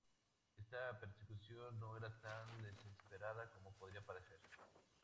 Esta persecución no era tan desesperada como podría parecer.